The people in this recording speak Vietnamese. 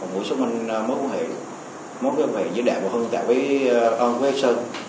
mũi xác minh mũi mũ hệ mũi mũi mũ hệ giữa đại và hưng tại quế sơn